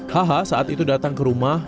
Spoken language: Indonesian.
hh saat itu datang ke rumah